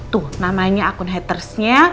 tuh namanya akun hatersnya